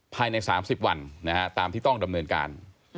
ภายใน๓๐วันตามที่ต้องดำเนินการ